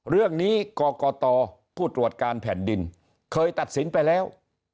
เรื่องนี้กรกตผู้ตรวจการแผ่นดินเคยตัดสินไปแล้ว